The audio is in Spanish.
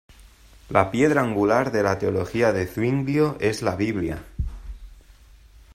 La piedra angular de la teología de Zuinglio es la Biblia.